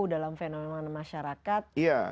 dalam fenomen masyarakat